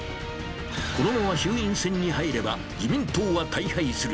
このまま衆院選に入れば、自民党は大敗する。